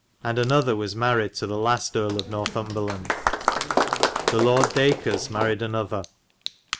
And an othar was maried to the last Erie of Northumbar land. The Lord Dacres maried an othar.